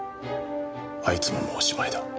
あいつももうおしまいだ。